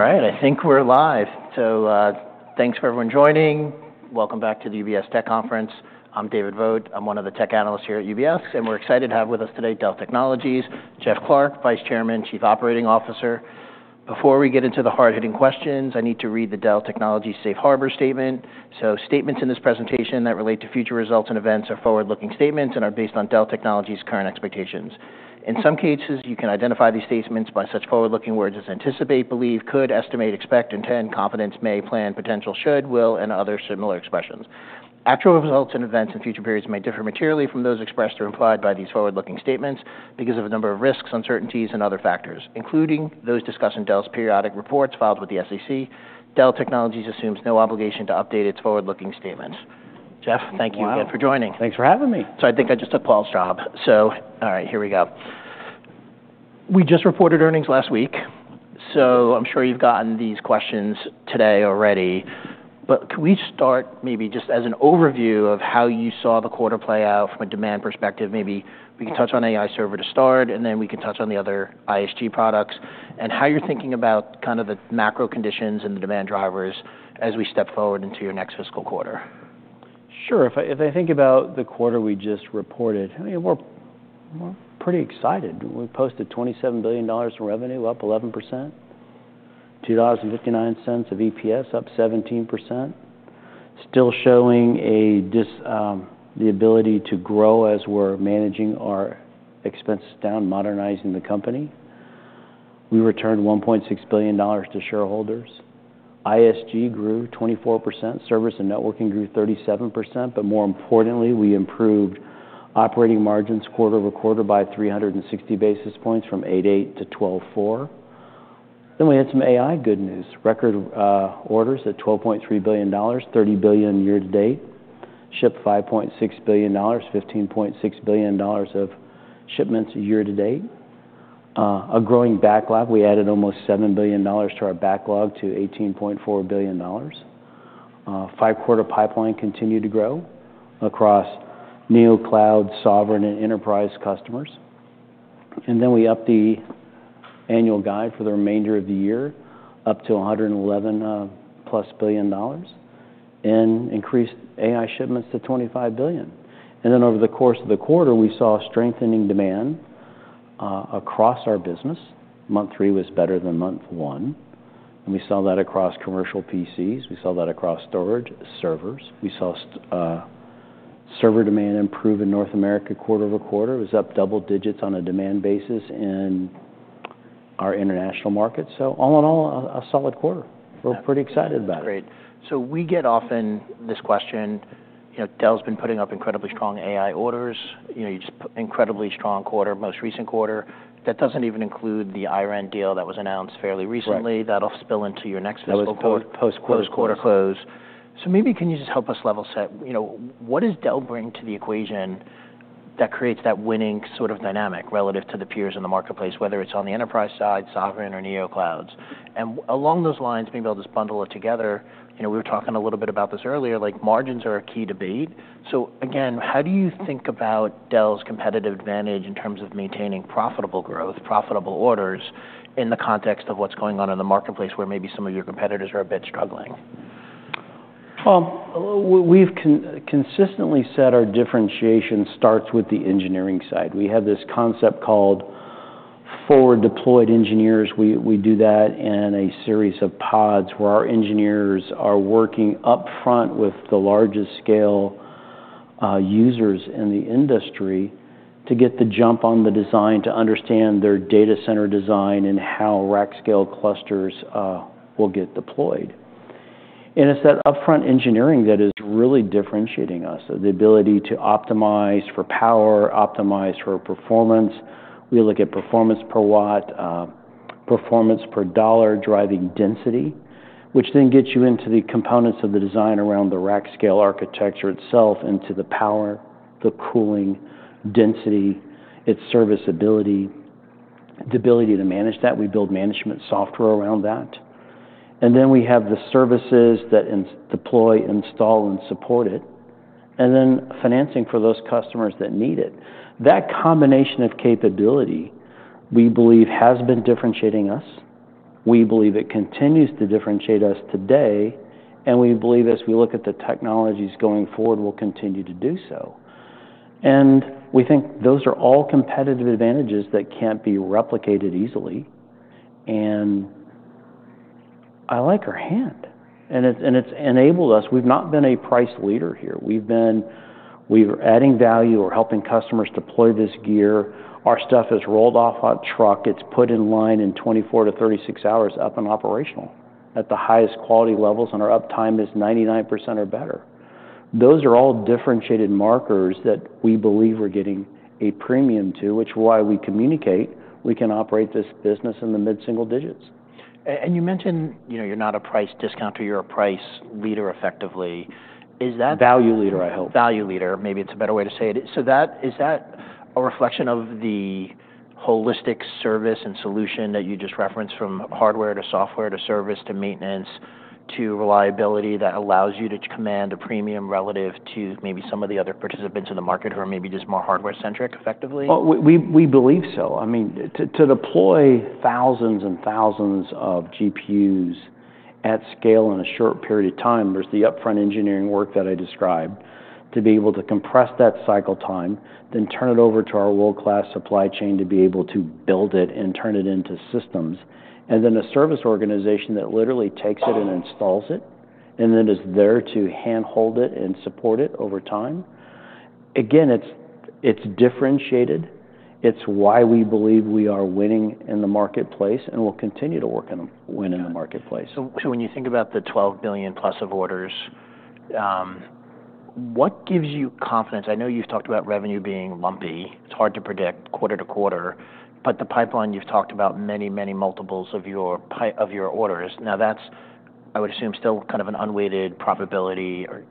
Right, I think we're live. So thanks for everyone joining. Welcome back to the UBS Tech Conference. I'm David Vogt. I'm one of the Tech Analysts here at UBS, and we're excited to have with us today Dell Technologies, Jeff Clarke, Vice Chairman, Chief Operating Officer. Before we get into the hard-hitting questions, I need to read the Dell Technologies Safe Harbor Statement. So statements in this presentation that relate to future results and events are forward-looking statements and are based on Dell Technologies' current expectations. In some cases, you can identify these statements by such forward-looking words as anticipate, believe, could, estimate, expect, intend, confidence, may, plan, potential, should, will, and other similar expressions. Actual results and events in future periods may differ materially from those expressed or implied by these forward-looking statements because of a number of risks, uncertainties, and other factors, including those discussed in Dell's periodic reports filed with the SEC. Dell Technologies assumes no obligation to update its forward-looking statements. Jeff, thank you again for joining. Thanks for having me. So I think I just took Paul's job. So all right, here we go. We just reported earnings last week, so I'm sure you've gotten these questions today already. But can we start maybe just as an overview of how you saw the quarter play out from a demand perspective? Maybe we can touch on AI server to start, and then we can touch on the other ISG products and how you're thinking about kind of the macro conditions and the demand drivers as we step forward into your next fiscal quarter. Sure. If I think about the quarter we just reported, we're pretty excited. We posted $27 billion in revenue, up 11%. $2.59 of EPS, up 17%. Still showing the ability to grow as we're managing our expenses down, modernizing the company. We returned $1.6 billion to shareholders. ISG grew 24%. Service and networking grew 37%. But more importantly, we improved operating margins quarter-over-quarter by 360 basis points from 8.8%-12.4%. Then we had some AI good news. Record orders at $12.3 billion, $30 billion year to date. Shipped $5.6 billion, $15.6 billion of shipments year to date. A growing backlog. We added almost $7 billion to our backlog to $18.4 billion. Five-quarter pipeline continued to grow across Neocloud, Sovereign, and Enterprise customers. And then we upped the annual guide for the remainder of the year up to $111+ billion and increased AI shipments to $25 billion. And then over the course of the quarter, we saw strengthening demand across our business. Month three was better than month one. And we saw that across commercial PCs. We saw that across storage servers. We saw server demand improve in North America quarter-over-quarter. It was up double digits on a demand basis in our international market. So all in all, a solid quarter. We're pretty excited about it. Great. So we often get this question. Dell's been putting up incredibly strong AI orders. You had an incredibly strong quarter, most recent quarter. That doesn't even include the IREN deal that was announced fairly recently. That'll spill into your next fiscal quarter. Post-quarter close. Post-quarter close. So maybe can you just help us level set? What does Dell bring to the equation that creates that winning sort of dynamic relative to the peers in the marketplace, whether it's on the Enterprise side, Sovereign, or Neoclouds, and along those lines, maybe I'll just bundle it together. We were talking a little bit about this earlier. Margins are a key debate, so again, how do you think about Dell's competitive advantage in terms of maintaining profitable growth, profitable orders in the context of what's going on in the marketplace where maybe some of your competitors are a bit struggling? We've consistently said our differentiation starts with the Engineering side. We have this concept Forward Deployed Engineers. We do that in a series of pods where our engineers are working upfront with the largest scale users in the industry to get the jump on the design, to understand their data center design and how rack scale clusters will get deployed, and it's that upfront engineering that is really differentiating us, the ability to optimize for power, optimize for performance. We look at performance per watt, performance per dollar driving density, which then gets you into the components of the design around the rack scale architecture itself, into the power, the cooling, density, its serviceability, the ability to manage that. We build management software around that, and then we have the services that deploy, install, and support it, and then financing for those customers that need it. That combination of capability, we believe, has been differentiating us. We believe it continues to differentiate us today, and we believe as we look at the technologies going forward, we'll continue to do so. And we think those are all competitive advantages that can't be replicated easily. And I like our hand. And it's enabled us. We've not been a price leader here. We've been adding value or helping customers deploy this gear. Our stuff is rolled off a truck. It's put in line in 24-36 hours, up and operational at the highest quality levels, and our uptime is 99% or better. Those are all differentiated markers that we believe we're getting a premium to, which is why we communicate we can operate this business in the mid-single digits. You mentioned you're not a price discount or you're a price leader effectively. Is that? Value leader, I hope. Value leader. Maybe it's a better way to say it. So is that a reflection of the holistic service and solution that you just referenced from hardware to software to service to maintenance to reliability that allows you to command a premium relative to maybe some of the other participants in the market who are maybe just more hardware-centric effectively? Well, we believe so. I mean, to deploy thousands and thousands of GPUs at scale in a short period of time, there's the upfront engineering work that I described to be able to compress that cycle time, then turn it over to our world-class Supply Chain to be able to build it and turn it into systems, and then a service organization that literally takes it and installs it and then is there to handhold it and support it over time. Again, it's differentiated. It's why we believe we are winning in the marketplace and will continue to win in the marketplace. So when you think about the $12 billion-plus of orders, what gives you confidence? I know you've talked about revenue being lumpy. It's hard to predict quarter to quarter, but the pipeline you've talked about many, many multiples of your orders. Now, that's, I would assume, still kind of an unweighted profitability or?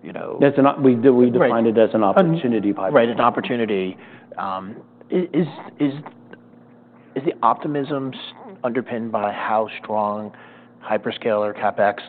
We define it as an opportunity pipeline. Right, an opportunity. Is the optimism underpinned by how strong hyperscaler CapEx?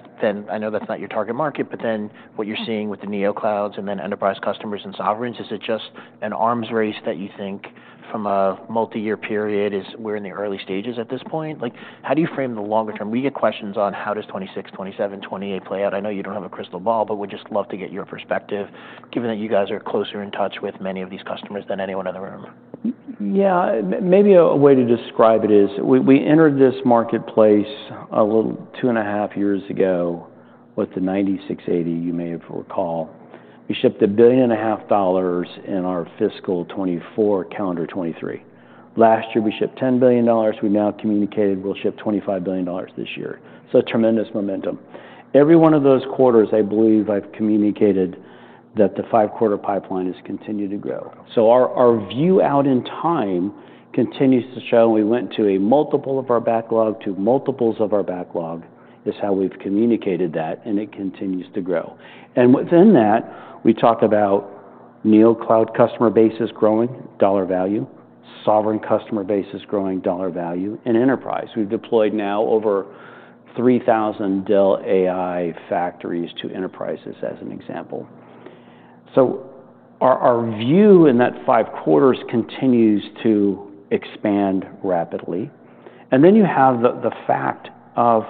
I know that's not your target market, but then what you're seeing with the Neoclouds and then Enterprise customers and Sovereigns, is it just an arms race that you think from a multi-year period is we're in the early stages at this point? How do you frame the longer term? We get questions on how does 2026, 2027, 2028 play out. I know you don't have a crystal ball, but we'd just love to get your perspective given that you guys are closer in touch with many of these customers than anyone in the room. Yeah. Maybe a way to describe it is we entered this marketplace a little two and a half years ago with the XE9680, you may recall. We shipped $1.5 billion in our fiscal 2024, calendar 2023. Last year, we shipped $10 billion. We've now communicated we'll ship $25 billion this year. So tremendous momentum. Every one of those quarters, I believe I've communicated that the five-quarter pipeline has continued to grow. So our view out in time continues to show we went to a multiple of our backlog to multiples of our backlog. That's how we've communicated that, and it continues to grow. And within that, we talk about Neocloud customer bases growing, dollar value, Sovereign customer bases growing, dollar value, and Enterprise. We've deployed now over 3,000 Dell AI Factory to Enterprises as an example. So our view in that five quarters continues to expand rapidly. And then you have the fact of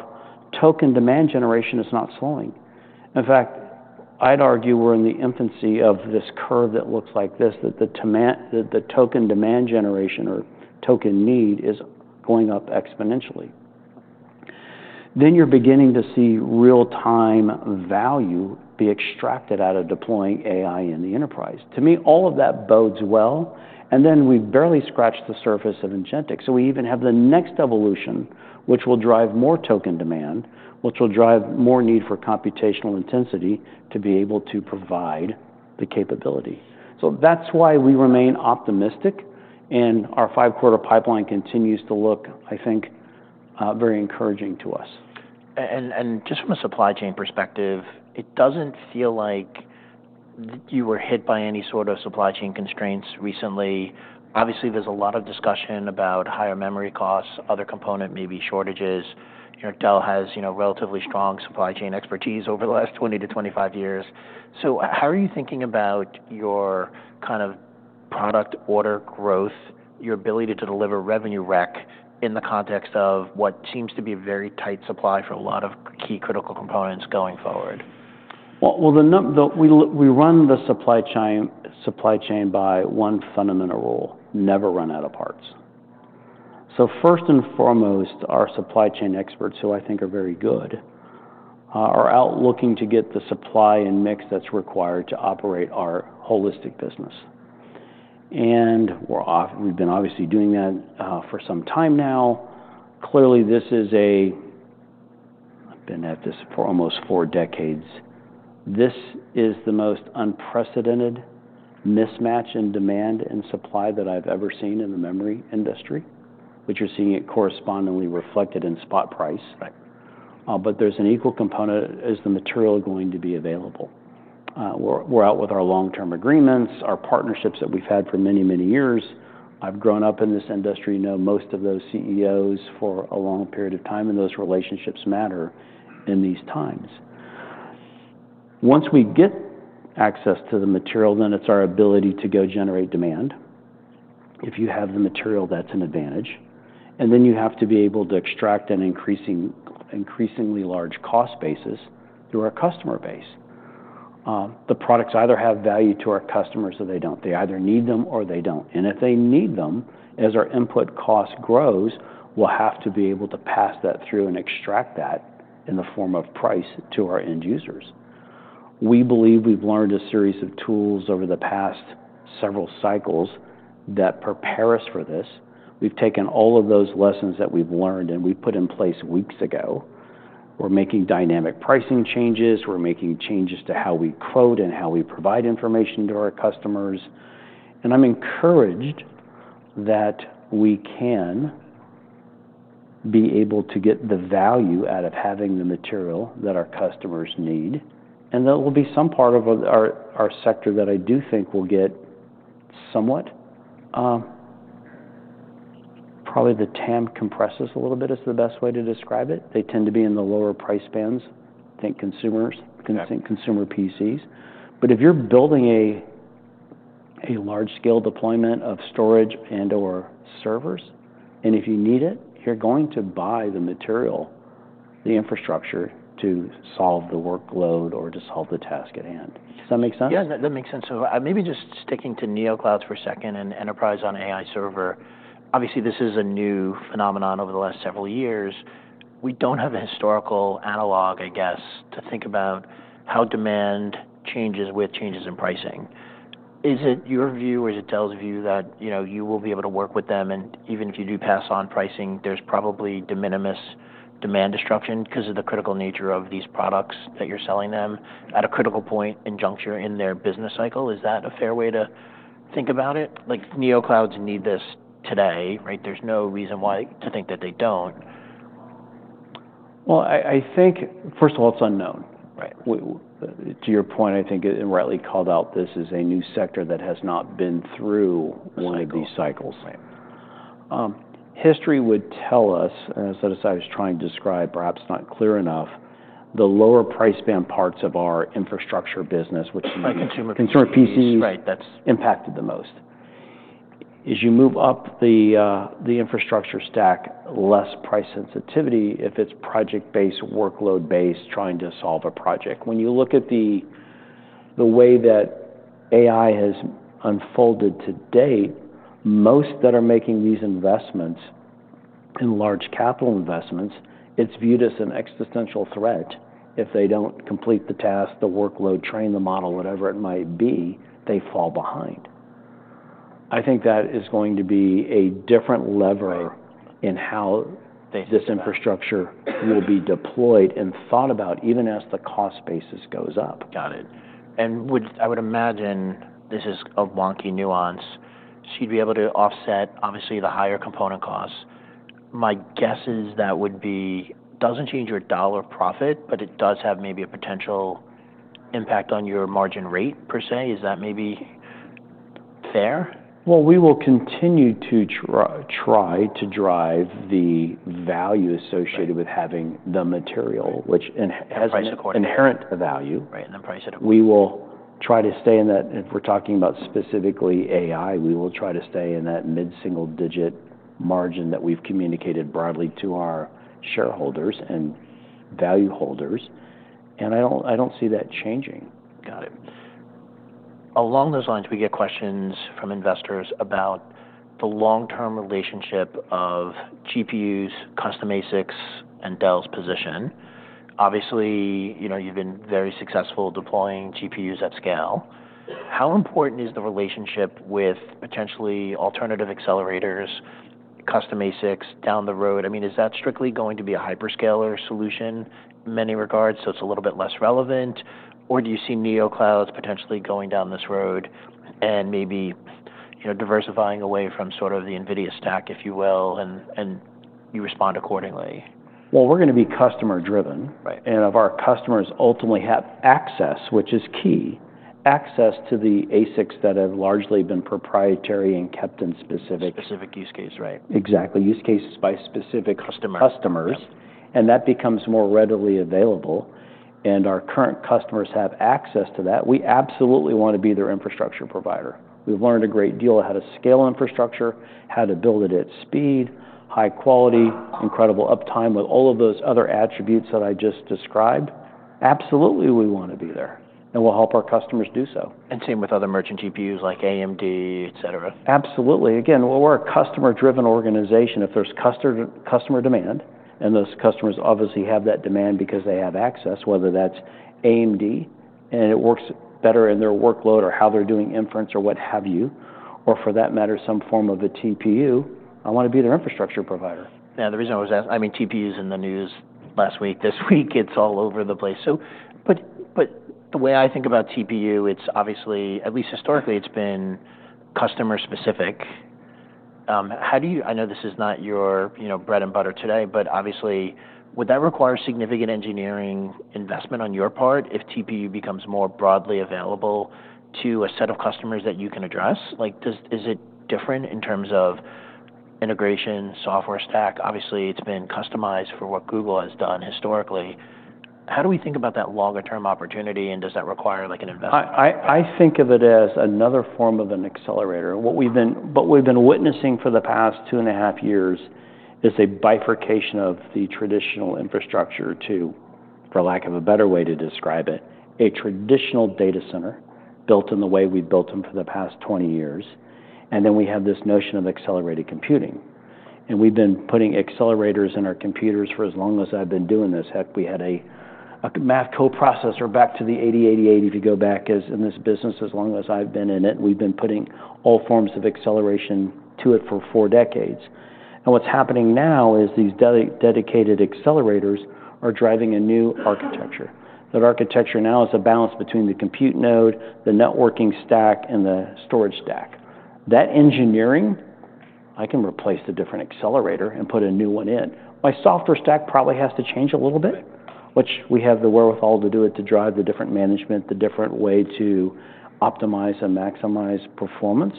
token demand generation is not slowing. In fact, I'd argue we're in the infancy of this curve that looks like this, that the token demand generation or theEtoken need is going up exponentially. Then you're beginning to see real-time value be extracted out of deploying AI in the Enterprise. To me, all of that bodes well. And then we've barely scratched the surface of agents. So we even have the next evolution, which will drive more token demand, which will drive more need for computational intensity to be able to provide the capability. So that's why we remain optimistic, and our five-quarter pipeline continues to look, I think, very encouraging to us. And just from a Supply Chain perspective, it doesn't feel like you were hit by any sort of Supply Chain constraints recently. Obviously, there's a lot of discussion about higher memory costs, other components, maybe shortages. Dell has relatively strong Supply Chain expertise over the last 20-25 years. So how are you thinking about your kind of product order growth, your ability to deliver revenue rec in the context of what seems to be a very tight supply for a lot of key critical components going forward? We run the Supply Chain by one fundamental rule: never run out of parts. First and foremost, our Supply Chain experts, who I think are very good, are out looking to get the supply and mix that's required to operate our holistic business. We've been obviously doing that for some time now. Clearly, this is a. I've been at this for almost four decades. This is the most unprecedented mismatch in demand and supply that I've ever seen in the memory industry, which you're seeing it correspondingly reflected in spot price. There's an equal component: is the material going to be available? We're out with our long-term agreements, our partnerships that we've had for many, many years. I've grown up in this industry, know most of those CEOs for a long period of time, and those relationships matter in these times. Once we get access to the material, then it's our ability to go generate demand if you have the material. That's an advantage. And then you have to be able to extract an increasingly large cost basis through our customer base. The products either have value to our customers or they don't. They either need them or they don't. And if they need them, as our input cost grows, we'll have to be able to pass that through and extract that in the form of price to our end users. We believe we've learned a series of tools over the past several cycles that prepare us for this. We've taken all of those lessons that we've learned and we've put in place weeks ago. We're making dynamic pricing changes. We're making changes to how we quote and how we provide information to our customers. I'm encouraged that we can be able to get the value out of having the material that our customers need. And that will be some part of our sector that I do think will get somewhat. Probably the TAM compresses a little bit is the best way to describe it. They tend to be in the lower price bands, I think, consumers, consumer PCs. But if you're building a large-scale deployment of storage and/or servers, and if you need it, you're going to buy the material, the infrastructure to solve the workload or to solve the task at hand. Does that make sense? Yeah, that makes sense. So maybe just sticking to Neoclouds for a second and Enterprise on AI server, obviously, this is a new phenomenon over the last several years. We don't have a historical analog, I guess, to think about how demand changes with changes in pricing. Is it your view or is it Dell's view that you will be able to work with them? And even if you do pass on pricing, there's probably de minimis demand destruction because of the critical nature of these products that you're selling them at a critical point, in juncture in their business cycle. Is that a fair way to think about it? Neoclouds need this today, right? There's no reason to think that they don't. I think, first of all, it's unknown. To your point, I think it rightly called out this as a new sector that has not been through one of these cycles. History would tell us, and I set aside as trying to describe, perhaps not clear enough, the lower price band parts of our infrastructure business, which consumer PCs impacted the most. As you move up the infrastructure stack, less price sensitivity if it's project-based, workload-based, trying to solve a project. When you look at the way that AI has unfolded to date, most that are making these investments in large capital investments, it's viewed as an existential threat. If they don't complete the task, the workload, train the model, whatever it might be, they fall behind. I think that is going to be a different lever in how this infrastructure will be deployed and thought about even as the cost basis goes up. Got it. And I would imagine this is a wonky nuance. So you'd be able to offset, obviously, the higher component costs. My guess is that would be doesn't change your dollar profit, but it does have maybe a potential impact on your margin rate per se. Is that maybe fair? We will continue to try to drive the value associated with having the material, which has inherent value. Right, and then price it up. We will try to stay in that. If we're talking about specifically AI, we will try to stay in that mid-single digit margin that we've communicated broadly to our shareholders and valueholders. And I don't see that changing. Got it. Along those lines, we get questions from investors about the long-term relationship of GPUs, custom ASICs, and Dell's position. Obviously, you've been very successful deploying GPUs at scale. How important is the relationship with potentially alternative accelerators, custom ASICs down the road? I mean, is that strictly going to be a hyperscaler solution in many regards, so it's a little bit less relevant? Or do you see Neoclouds potentially going down this road and maybe diversifying away from sort of the NVIDIA stack, if you will, and you respond accordingly? We're going to be customer-driven. If our customers ultimately have access, which is key, to the ASICs that have largely been proprietary and kept in specific. Specific use case, right? Exactly. Use cases by specific customers. And that becomes more readily available. And our current customers have access to that. We absolutely want to be their infrastructure provider. We've learned a great deal of how to scale infrastructure, how to build it at speed, high quality, incredible uptime with all of those other attributes that I just described. Absolutely, we want to be there. And we'll help our customers do so. And same with other merchant GPUs like AMD, etc. Absolutely. Again, we're a customer-driven organization. If there's customer demand, and those customers obviously have that demand because they have access, whether that's AMD and it works better in their workload or how they're doing inference or what have you, or for that matter, some form of a TPU, I want to be their infrastructure provider. Yeah, the reason I was asking, I mean, TPUs in the news last week. This week, it's all over the place. But the way I think about TPU, it's obviously, at least historically, it's been customer-specific. I know this is not your bread and butter today, but obviously, would that require significant Engineering investment on your part if TPU becomes more broadly available to a set of customers that you can address? Is it different in terms of integration, software stack? Obviously, it's been customized for what Google has done historically. How do we think about that longer-term opportunity? And does that require an investment? I think of it as another form of an accelerator. What we've been witnessing for the past two and a half years is a bifurcation of the traditional infrastructure to, for lack of a better way to describe it, a traditional data center built in the way we've built them for the past 20 years, and then we have this notion of accelerated computing. And we've been putting accelerators in our computers for as long as I've been doing this. Heck, we had a math coprocessor back to the 8088, if you go back in this business, as long as I've been in it, and we've been putting all forms of acceleration to it for four decades, and what's happening now is these dedicated accelerators are driving a new architecture. That architecture now is a balance between the compute node, the networking stack, and the storage stack. That Engineering, I can replace the different accelerator and put a new one in. My software stack probably has to change a little bit, which we have the wherewithal to do it to drive the different management, the different way to optimize and maximize performance.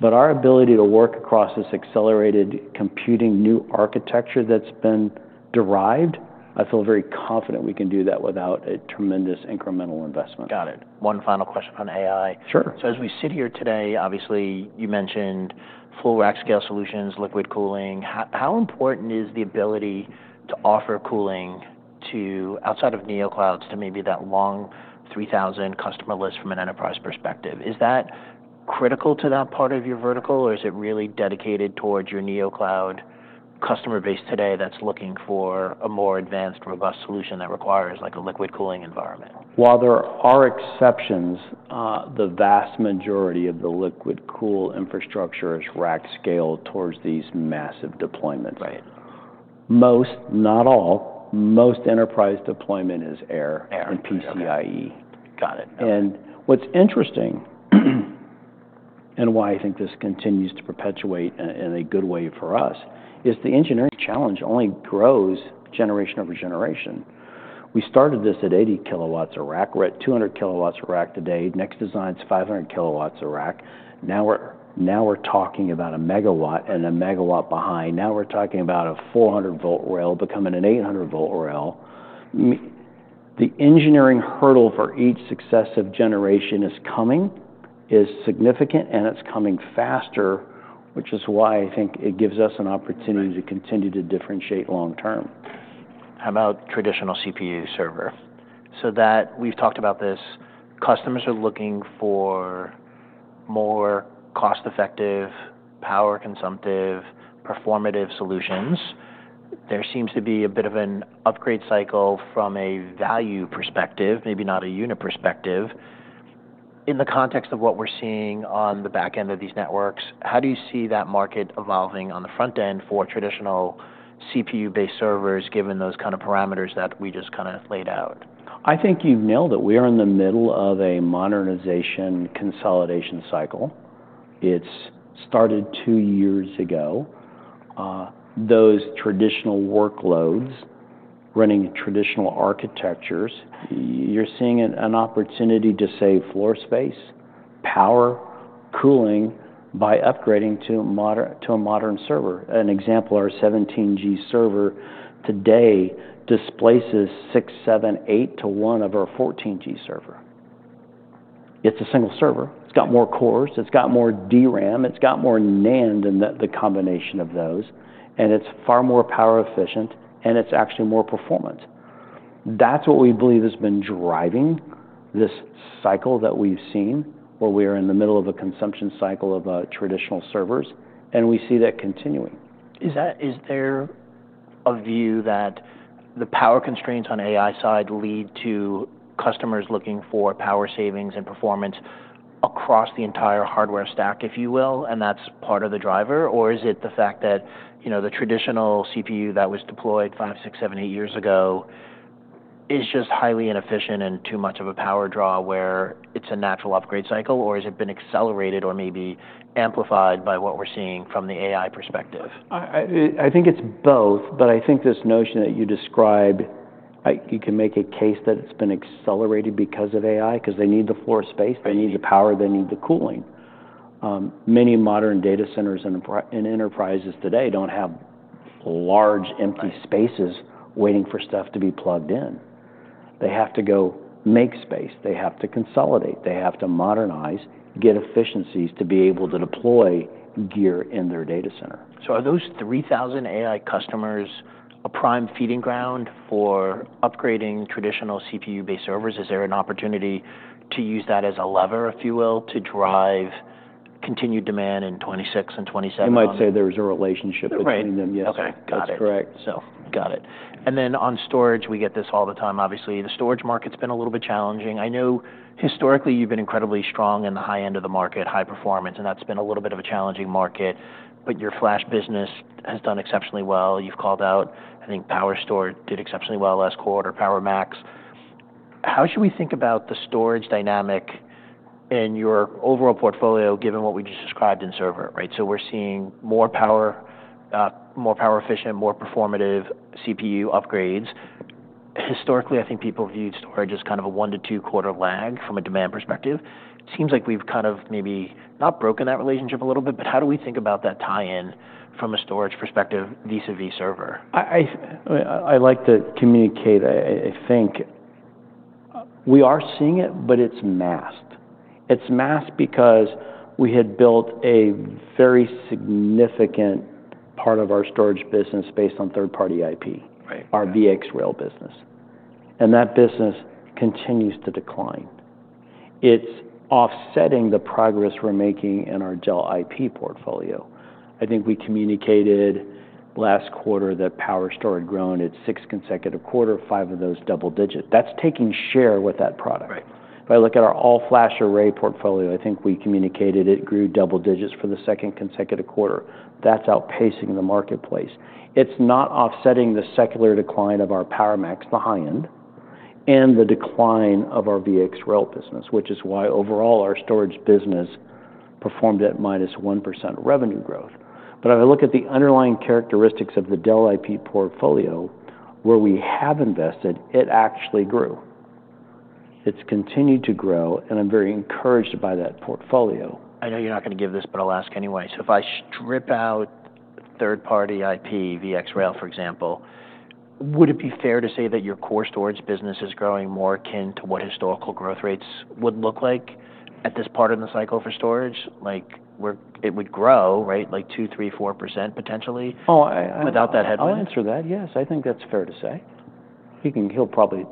But our ability to work across this accelerated computing new architecture that's been derived, I feel very confident we can do that without a tremendous incremental investment. Got it. One final question on AI. So as we sit here today, obviously, you mentioned full rack scale solutions, liquid cooling. How important is the ability to offer cooling outside of Neoclouds to maybe that long 3,000 customer list from an Enterprise perspective? Is that critical to that part of your vertical, or is it really dedicated towards your Neocloud customer base today that's looking for a more advanced, robust solution that requires a liquid cooling environment? While there are exceptions, the vast majority of the liquid-cooled infrastructure is rack-scale towards these massive deployments. Most, not all, most Enterprise deployment is air and PCIe. Got it. And what's interesting and why I think this continues to perpetuate in a good way for us is the Engineering challenge only grows generation over generation. We started this at 80 kW a rack, we're at 200 kW a rack today, next design's 500 kW a rack. Now we're talking about a megawatt and a megawatt behind. Now we're talking about a 400-volt rail becoming an 800-volt rail. The Engineering hurdle for each successive generation is coming, is significant, and it's coming faster, which is why I think it gives us an opportunity to continue to differentiate long term. How about traditional CPU servers? So that we've talked about this. Customers are looking for more cost-effective, power-consumptive, performative solutions. There seems to be a bit of an upgrade cycle from a value perspective, maybe not a unit perspective. In the context of what we're seeing on the back end of these networks, how do you see that market evolving on the front end for traditional CPU-based servers given those kind of parameters that we just kind of laid out? I think you've nailed it. We are in the middle of a modernization consolidation cycle. It's started two years ago. Those traditional workloads running traditional architectures, you're seeing an opportunity to save floor space, power, cooling by upgrading to a modern server. An example, our 17G server today displaces six, seven, eight to one of our 14G server. It's a single server. It's got more cores. It's got more DRAM. It's got more NAND and the combination of those. And it's far more power efficient, and it's actually more performant. That's what we believe has been driving this cycle that we've seen where we are in the middle of a consumption cycle of traditional servers, and we see that continuing. Is there a view that the power constraints on AI side lead to customers looking for power savings and performance across the entire hardware stack, if you will, and that's part of the driver? Or is it the fact that the traditional CPU that was deployed five, six, seven, eight years ago is just highly inefficient and too much of a power draw where it's a natural upgrade cycle? Or has it been accelerated or maybe amplified by what we're seeing from the AI perspective? I think it's both, but I think this notion that you described, you can make a case that it's been accelerated because of AI because they need the floor space, they need the power, they need the cooling. Many modern data centers and enterprises today don't have large empty spaces waiting for stuff to be plugged in. They have to go make space. They have to consolidate. They have to modernize, get efficiencies to be able to deploy gear in their data center. So are those 3,000 AI customers a prime feeding ground for upgrading traditional CPU-based servers? Is there an opportunity to use that as a lever, if you will, to drive continued demand in 2026 and 2027? You might say there's a relationship between them. Yes. That's correct. Got it. So got it. And then on Storage, we get this all the time. Obviously, the storage market's been a little bit challenging. I know historically you've been incredibly strong in the high end of the market, high performance, and that's been a little bit of a challenging market, but your flash business has done exceptionally well. You've called out, I think PowerStore did exceptionally well last quarter, PowerMax. How should we think about the Storage dynamic in your overall portfolio given what we just described in server, right? So we're seeing more power efficient, more performative CPU upgrades. Historically, I think people viewed Storage as kind of a one- to two-quarter lag from a demand perspective. It seems like we've kind of maybe not broken that relationship a little bit, but how do we think about that tie-in from a Storage perspective vis-à-vis server? I like to communicate, I think we are seeing it, but it's masked. It's masked because we had built a very significant part of our Storage business based on third-party IP, our VxRail business. And that business continues to decline. It's offsetting the progress we're making in our Dell IP portfolio. I think we communicated last quarter that PowerStore had grown its sixth consecutive quarter, five of those double digits. That's taking share with that product. If I look at our all-flash array portfolio, I think we communicated it grew double digits for the second consecutive quarter. That's outpacing the marketplace. It's not offsetting the secular decline of our PowerMax business and the decline of our VxRail business, which is why overall our Storage business performed at -1% revenue growth. But if I look at the underlying characteristics of the Dell IP portfolio, where we have invested, it actually grew. It's continued to grow, and I'm very encouraged by that portfolio. I know you're not going to give this, but I'll ask anyway. So if I strip out third-party IP, VxRail, for example, would it be fair to say that your core Storage business is growing more akin to what historical growth rates would look like at this part of the cycle for storage? It would grow, right, like 2%, 3%, 4% potentially without that headwind. I'll answer that. Yes. I think that's fair to say. He'll probably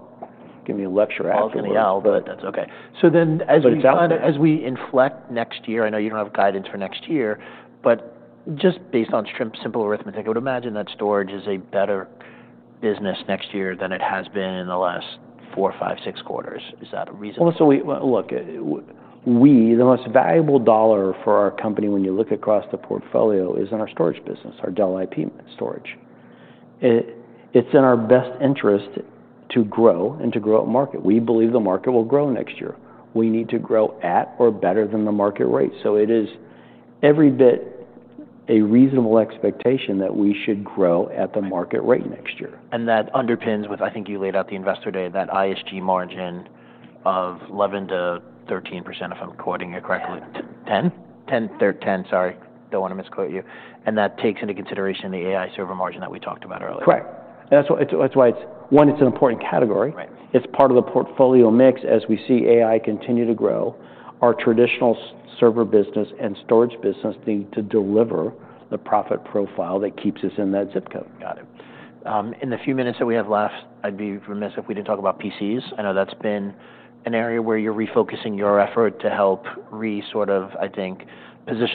give me a lecture afterwards. Well, yeah, I'll bet. That's okay. So then as we inflect next year, I know you don't have guidance for next year, but just based on simple arithmetic, I would imagine that Storage is a better business next year than it has been in the last four, five, six quarters. Is that a reason? Well, so look, the most valuable dollar for our company, when you look across the portfolio, is in our storage business, our Dell IP storage. It's in our best interest to grow and to grow at market. We believe the market will grow next year. We need to grow at or better than the market rate. So it is every bit a reasonable expectation that we should grow at the market rate next year. And that underpins with, I think you laid out the Investor Day, that ISG margin of 11%-13%, if I'm quoting it correctly, 10? 10, sorry. Don't want to misquote you. And that takes into consideration the AI server margin that we talked about earlier. Correct. That's why it's one, it's an important category. It's part of the portfolio mix. As we see AI continue to grow, our traditional server business and Storage business need to deliver the profit profile that keeps us in that zip code. Got it. In the few minutes that we have left, I'd be remiss if we didn't talk about PCs. I know that's been an area where you're refocusing your effort to help reposition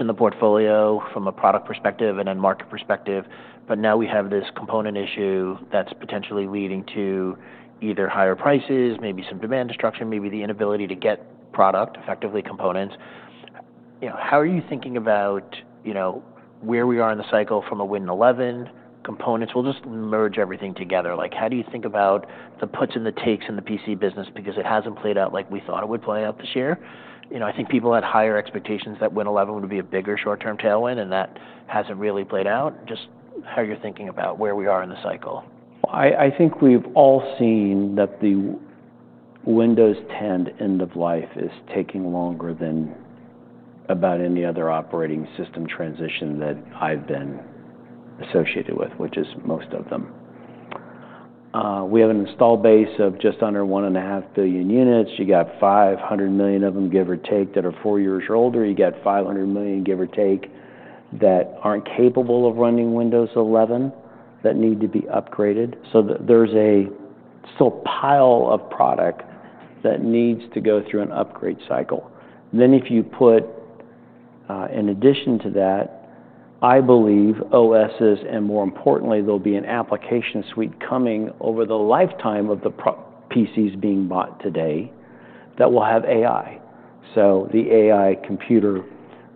the portfolio from a product perspective and then market perspective. But now we have this component issue that's potentially leading to either higher prices, maybe some demand destruction, maybe the inability to get product, effectively components. How are you thinking about where we are in the cycle from a Windows 11 components? We'll just merge everything together. How do you think about the puts and the takes in the PC business because it hasn't played out like we thought it would play out this year? I think people had higher expectations that Windows 11 would be a bigger short-term tailwind, and that hasn't really played out. Just how are you thinking about where we are in the cycle? I think we've all seen that the Windows 10 end of life is taking longer than about any other operating system transition that I've been associated with, which is most of them. We have an installed base of just under 1.5 billion units. You got 500 million of them, give or take, that are four years older. You got 500 million, give or take, that aren't capable of running Windows 11 that need to be upgraded. So there's still a pile of product that needs to go through an upgrade cycle. Then if you put, in addition to that, I believe OSS, and more importantly, there'll be an application suite coming over the lifetime of the PCs being bought today that will have AI. So the AI computer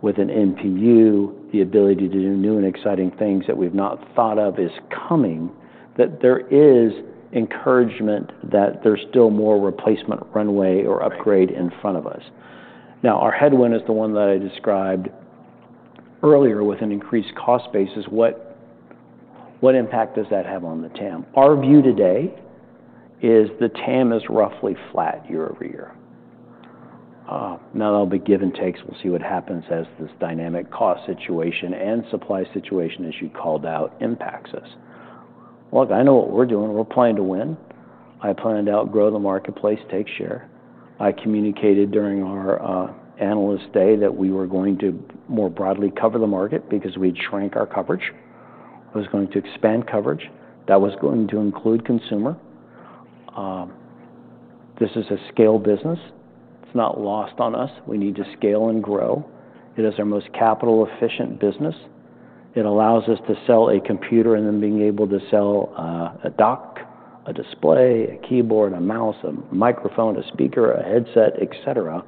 with an NPU, the ability to do new and exciting things that we've not thought of, is coming, that there is encouragement that there's still more replacement runway or upgrade in front of us. Now, our headwind is the one that I described earlier with an increased cost basis. What impact does that have on the TAM? Our view today is the TAM is roughly flat year-over-year. Now, that'll be give and take. We'll see what happens as this dynamic cost situation and supply situation, as you called out, impacts us. Look, I know what we're doing. We're playing to win. I plan to outgrow the marketplace, take share. I communicated during our Analyst Day that we were going to more broadly cover the market because we'd shrunk our coverage. I was going to expand coverage. That was going to include consumer. This is a scale business. It's not lost on us. We need to scale and grow. It is our most capital-efficient business. It allows us to sell a computer and then being able to sell a dock, a display, a keyboard, a mouse, a microphone, a speaker, a headset, etc,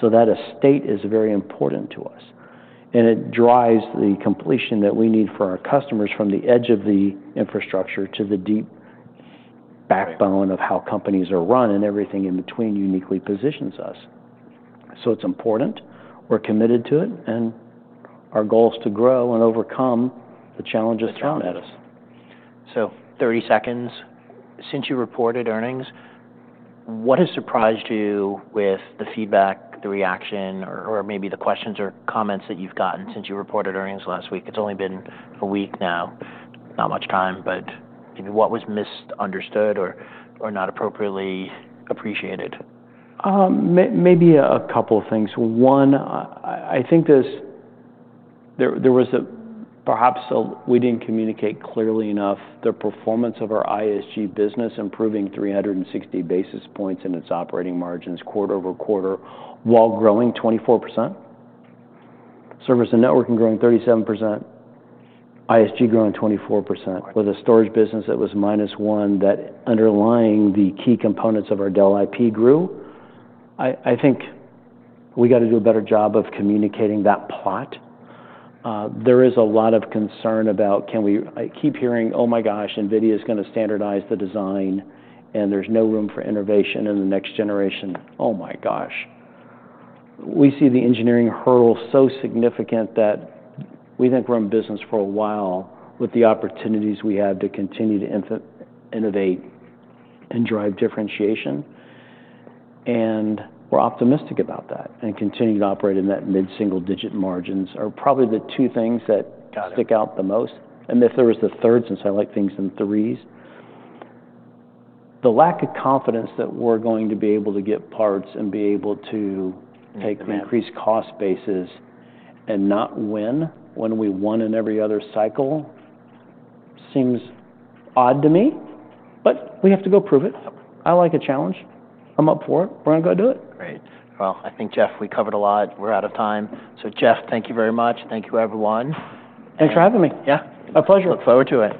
so that ecosystem is very important to us, and it drives the complement that we need for our customers from the edge of the infrastructure to the deep backbone of how companies are run and everything in between uniquely positions us, so it's important. We're committed to it, and our goal is to grow and overcome the challenges thrown at us. So 30 seconds. Since you reported earnings, what has surprised you with the feedback, the reaction, or maybe the questions or comments that you've gotten since you reported earnings last week? It's only been a week now. Not much time, but maybe what was misunderstood or not appropriately appreciated? Maybe a couple of things. One, I think there was, perhaps, we didn't communicate clearly enough the performance of our ISG business improving 360 basis points in its operating margins quarter-over-quarter while growing 24%. Service and networking growing 37%. ISG growing 24%. With a Storage business that was -1% that underlying the key components of our Dell IP grew. I think we got to do a better job of communicating that plot. There is a lot of concern about can we keep hearing, "Oh my gosh, NVIDIA is going to standardize the design, and there's no room for innovation in the next generation." Oh my gosh. We see the engineering hurdle so significant that we've been growing business for a while with the opportunities we have to continue to innovate and drive differentiation. And we're optimistic about that and continue to operate in that. Mid-single-digit margins are probably the two things that stick out the most. And if there was a third, since I like things in threes, the lack of confidence that we're going to be able to get parts, and be able to take increased cost bases, and not win when we won in every other cycle seems odd to me, but we have to go prove it. I like a challenge. I'm up for it. We're going to go do it. Great. Well, I think, Jeff, we covered a lot. We're out of time. So Jeff, thank you very much. Thank you, everyone. Thanks for having me. Yeah. My pleasure. Look forward to it.